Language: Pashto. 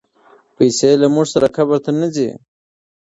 پیسې له موږ سره قبر ته نه ځي.